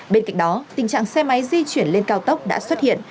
bên cạnh đó tình trạng xe máy di chuyển lên cao tốc đã xuất hiện